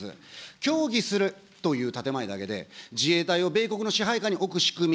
協議するという建て前だけで、自衛隊を米国の支配下に置く仕組み。